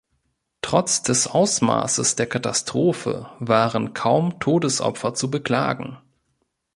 Trotz des Ausmaßes der Katastrophe waren kaum Todesopfer zu beklagen.